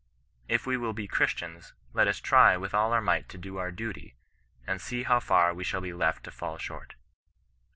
If we will be Christians, let us try with all our might to do our dtUy, and see how far we shall be left to faJl short.